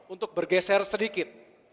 untuk bergeser sedikit